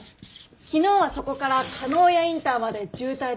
昨日はそこから叶谷インターまで渋滞で約２時間。